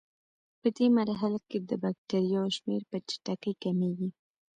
پدې مرحله کې د بکټریاوو شمېر په چټکۍ کمیږي.